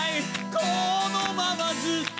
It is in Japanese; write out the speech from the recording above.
「このままずっと」